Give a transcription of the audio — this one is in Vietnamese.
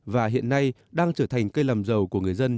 và hiện nay đang trở thành cây làm giàu của người dân